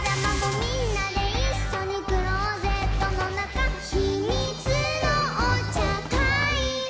「みんなでいっしょにクローゼットのなか」「ひみつのおちゃかい」